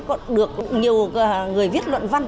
còn được nhiều người viết luận văn